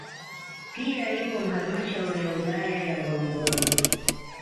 Pia ipo halmashauri ya wilaya ya Ngorongoro